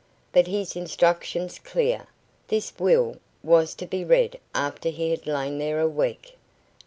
"But his instructions, clear. The will was to be read after he had lain there a week."